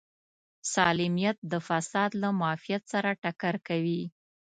سالمیت د فساد له معافیت سره ټکر کوي.